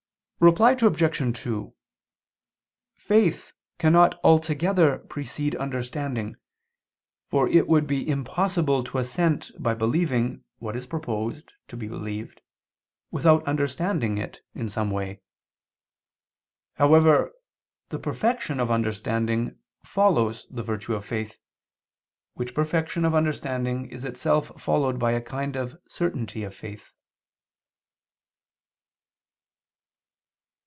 Reply Obj. 2: Faith cannot altogether precede understanding, for it would be impossible to assent by believing what is proposed to be believed, without understanding it in some way. However, the perfection of understanding follows the virtue of faith: which perfection of understanding is itself followed by a kind of certainty of faith.